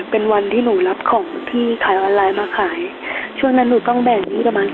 ต้องเอาเด็กออกค่ะอือครับตั้งนั้นหนูต้องแบ่ง